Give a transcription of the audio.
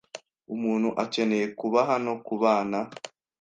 Umuntu akeneye kuba hano kubana.